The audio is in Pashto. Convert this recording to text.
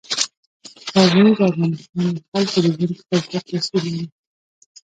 غزني د افغانستان د خلکو د ژوند په کیفیت تاثیر لري.